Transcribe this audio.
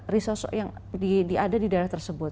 resource yang ada di daerah tersebut